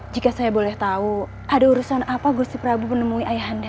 jika saya boleh tahu ada urusan apa gusti prabu menemui ayah anda